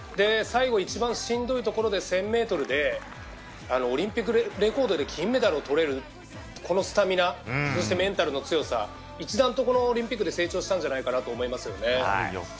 最後一番しんどいところで１０００ｍでオリンピックレコードで金メダルをとれるスタミナそしてメンタルの強さ一段と、このオリンピックで成長したんじゃないかなと思います。